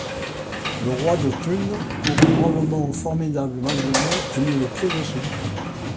Le roi de Thunes courut bravement au formidable madrier et mit le pied dessus.